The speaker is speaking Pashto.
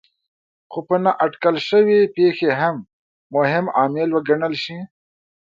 خو په نااټکل شوې پېښې هم مهم عامل وګڼل شي.